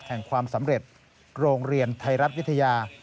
แห่งความสำเร็จโรงเรียนไทยรัฐวิทยา